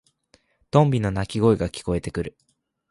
トンビの鳴き声が聞こえてくる。